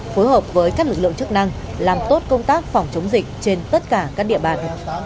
phối hợp với các lực lượng chức năng làm tốt công tác phòng chống dịch trên tất cả các địa bàn